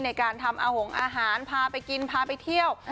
ในการทำอาหงอาหารพาไปกินพาไปเที่ยว